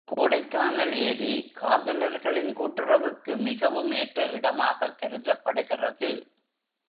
கோடைக்கானல் ஏரி, காதலர்களின் கூட்டுறவுக்கு மிகவும் ஏற்ற இடமாகக் கருதப்படுகிறது.